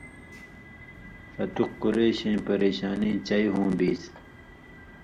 ݜتُک قُریشَیں پریۡشانی چئ ہوں بیسیۡ